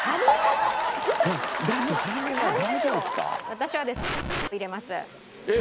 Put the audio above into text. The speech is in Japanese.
私はですねを入れます。